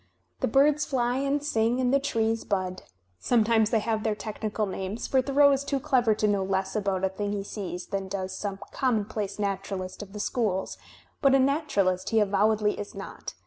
The birds fly and sing and the trees bud. Sometimes they have their technical names, for Thoreau is too clever to know less about a thing he sees than does ^sorne conunonplaoe naturalist of the schools; but a naturalist he avowedly is not.